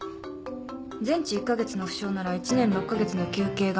全治１カ月の負傷なら１年６カ月の求刑が目安。